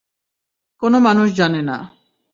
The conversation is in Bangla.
কোন মানুষ জানে না।